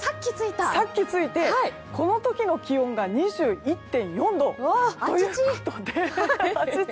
さっき着いて、この時の気温が２１．４度ということでアチチ！